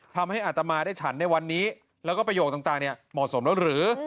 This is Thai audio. ทำให้อาตมาได้ฉันในวันนี้แล้วก็ประโยคต่างเนี่ยเหมาะสมแล้วหรือ